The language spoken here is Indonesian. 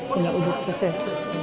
punya ujit khusus